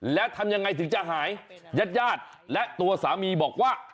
และทำอย่างไรจะหายญาติและตัวสามีบอกว่า